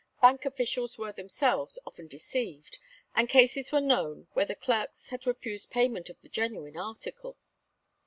Bank officials were themselves often deceived, and cases were known where the clerks had refused payment of the genuine article.